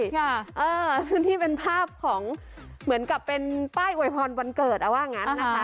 ซึ่งนี่เป็นภาพของเหมือนกับเป็นป้ายอวยพรวันเกิดเอาว่างั้นนะคะ